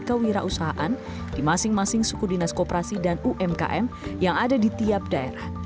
kewirausahaan di masing masing suku dinas koperasi dan umkm yang ada di tiap daerah